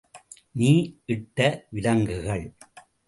நீ யிட்ட விலங்குகள்.